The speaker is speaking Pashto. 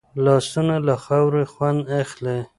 لاسونه له خاورې خوند اخلي